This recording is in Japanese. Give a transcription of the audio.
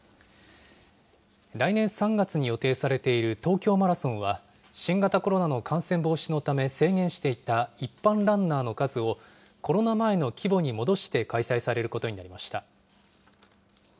来年３月に予定されている東京マラソンは、新型コロナの感染防止のため制限していた一般ランナーの数を、コロナ前の規模に戻して開催されることになりました。